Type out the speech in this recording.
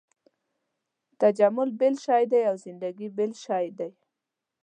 تجمل بېل شی دی او زندګي بېل شی دی.